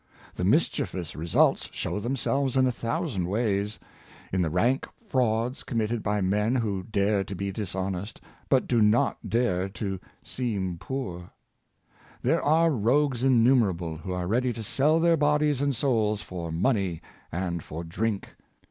The mischievous results show them selves in a thousand ways — in the rank frauds commit ted by men who dare to be dishonest, but do not dare to seem poor. Aristides ''The JusV 385 There are rogues innumerable, who are ready to sell their bodies and souls for money and for drink.